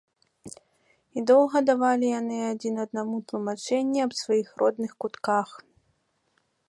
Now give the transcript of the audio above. І доўга давалі яны адзін аднаму тлумачэнні аб сваіх родных кутках.